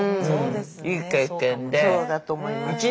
そうだと思います。